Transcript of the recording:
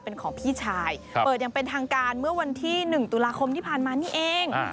เป็นของพี่ชายเปิดอย่างเป็นทางการเมื่อวันที่๑ตุลาคมที่ผ่านมานี่เอง